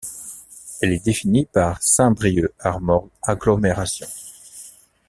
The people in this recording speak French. Elle est définie par Saint-Brieuc Armor Agglomération.